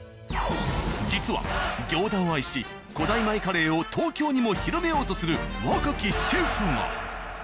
実は行田を愛し古代米カレーを東京にも広めようとする若きシェフが。